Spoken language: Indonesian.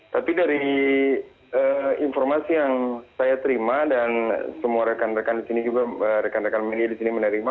tapi dari informasi yang saya terima dan semua rekan rekan di sini menerima